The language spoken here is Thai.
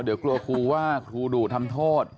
เดี๋ยวกลัวครูว่าครูดุทำโทษ